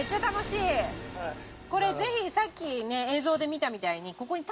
これぜひさっきね映像で見たみたいに。